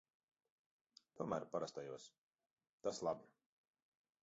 Tomēr parastajos. Tas labi.